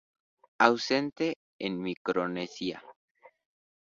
Ausente en Micronesia.